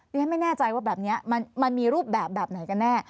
ฉันไม่แน่ใจว่าแบบนี้มันมีรูปแบบแบบไหนกันแน่